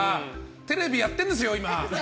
テレビやってんですよ、今。